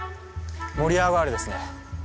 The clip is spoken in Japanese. モリアオガエルですね。